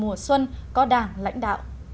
mùa xuân có đảng lãnh đạo